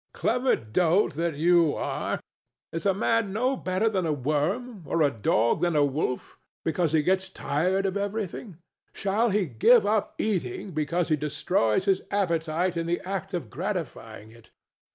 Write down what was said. Clever dolt that you are, is a man no better than a worm, or a dog than a wolf, because he gets tired of everything? Shall he give up eating because he destroys his appetite in the act of gratifying it?